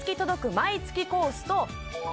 毎月コース